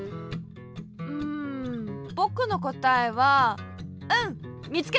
うんぼくのこたえはうんみつけた！